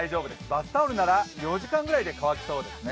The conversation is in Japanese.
バスタオルなら４時間ぐらいで乾きそうですね。